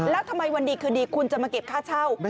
แล้วทำไมวันดีคืนดีคุณจะมาเก็บค่าเช่า